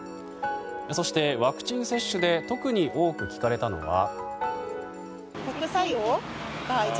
そしてワクチン接種で特に多く聞かれたのは。